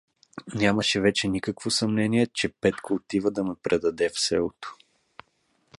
Нямаше вече никакво съмнение, че Петко отива да ме предаде в селото.